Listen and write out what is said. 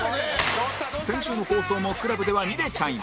先週の放送も ＣＬＵＢ では見れちゃいます